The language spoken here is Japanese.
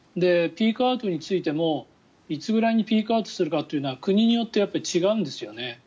ピークアウトについてもいつぐらいにピークアウトするかは国によって違うんですよね。